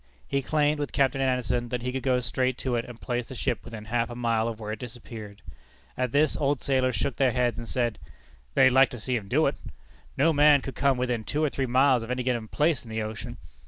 He claimed, with Captain Anderson, that he could go straight to it and place the ship within half a mile of where it disappeared. At this old sailors shook their heads, and said, "They'd like to see him do it;" "No man could come within two or three miles of any given place in the ocean."